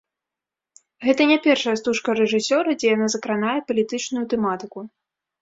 Гэта не першая стужка рэжысёра, дзе яна закранае палітычную тэматыку.